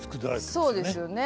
そうですよね。